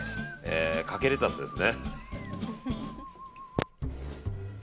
かけレタスですね。